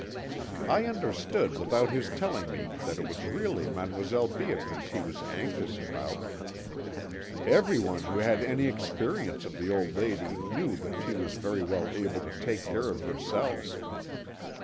"I understood without his telling me that it was really Mdlle. Beatrice he was anxious about; everyone who had any experience of the old lady knew that she was very well able to take care of herself.